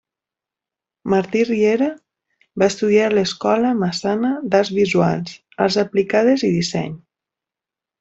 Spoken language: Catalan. Martí Riera va estudiar a l'Escola Massana d'arts visuals, arts aplicades i disseny.